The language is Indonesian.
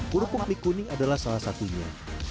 kerupuk mie kuning adalah salah satunya